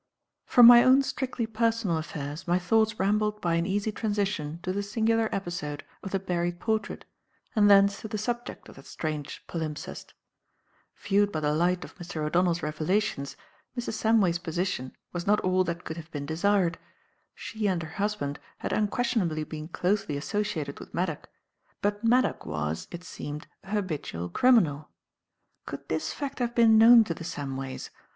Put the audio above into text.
From my own strictly personal affairs my thoughts rambled by an easy transition to the singular episode of the buried portrait, and thence to the subject of that strange palimpsest. Viewed by the light of Mr. O'Donnell's revelations, Mrs. Samway's position was not all that could have been desired. She and her husband had unquestionably been closely associated with Maddock; but Maddock was, it seemed, a habitual criminal. Could this fact have been known to the Samways?